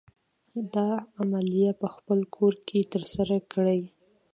دا عملیه په خپل کور کې تر سره کړئ.